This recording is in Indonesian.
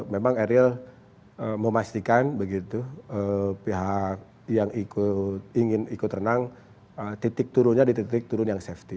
memang eril memastikan begitu pihak yang ingin ikut renang titik turunnya di titik turun yang safety